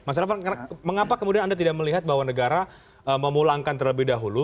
mas revo mengapa kemudian anda tidak melihat bahwa negara memulangkan terlebih dahulu